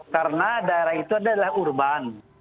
karena daerah itu adalah urban